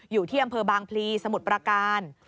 อยู่ที่อำเภอบางพลีสมุทรประการ